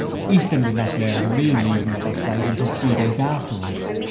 Easton did not learn the real reason of her flight until three days afterwards.